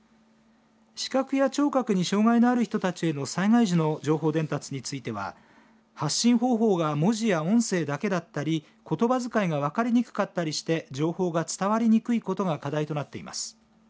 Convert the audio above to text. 視覚や聴覚に障害のある人たちへの災害時の情報伝達については発信方法が文字や音声だけだったりことばづかいが分かりにくかったりして情報が伝わりにくいことが課題となっています。